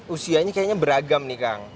usianya kayaknya beragam nih kang